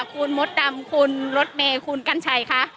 คุณมดดำคุณรถเมย์คุณกัญชัยคะ